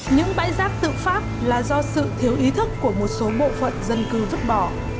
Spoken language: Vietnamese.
những bãi rác tự phát là do sự thiếu ý thức của một số bộ phận dân cư vứt bỏ